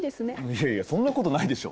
いやいやそんなことないでしょ。